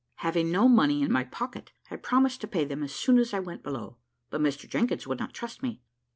Having no money in my pocket, I promised to pay them as soon as I went below; but Mr Jenkins would not trust me.